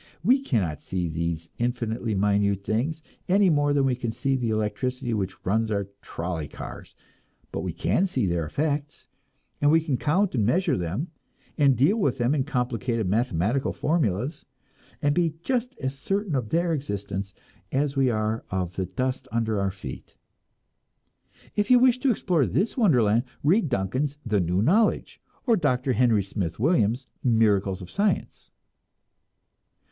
We cannot see these infinitely minute things, any more than we can see the electricity which runs our trolley cars; but we can see their effects, and we can count and measure them, and deal with them in complicated mathematical formulas, and be just as certain of their existence as we are of the dust under our feet. If you wish to explore this wonderland, read Duncan's "The New Knowledge," or Dr. Henry Smith Williams' "Miracles of Science."